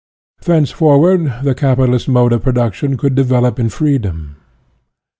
Thenceforward the capitalist mode of production could develop in freedom.